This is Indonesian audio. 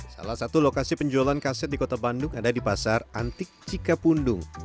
salah satu lokasi penjualan kaset di kota bandung ada di pasar antik cikapundung